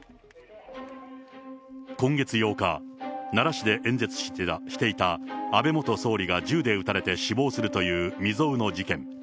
今月８日、奈良市で演説していた安倍元総理が銃で撃たれて死亡するという未曽有の事件。